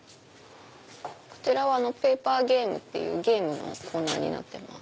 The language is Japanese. こちらはペーパーゲームっていうゲームのコーナーになってます。